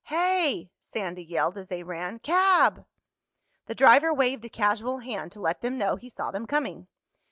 "Hey!" Sandy yelled as they ran. "Cab!" The driver waved a casual hand to let them know he saw them coming.